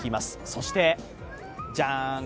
そしてジャーン！